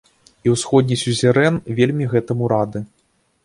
І ўсходні сюзерэн вельмі гэтаму рады.